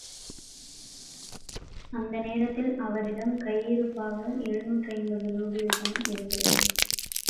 அந்த நேரத்தில் அவரிடம் கையிருப்பாக எழுநூற்றைம்பது ரூபிள்தான் இருந்தது.